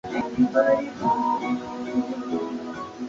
হন ইহুদি ধর্মাবলম্বী হিসেবে বেড়ে ওঠেন।